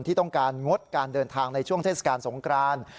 ที่ต้องการงดการเดินทางในช่วงเทศกาลสงคราน